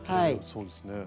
そうですね。